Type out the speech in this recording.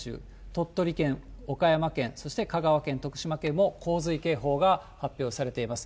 鳥取県、岡山県、そして香川県、徳島県も洪水警報が発表されています。